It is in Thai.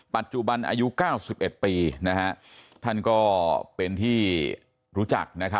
ปัจจุบันอายุ๙๑ปีท่านก็เป็นที่รู้จัก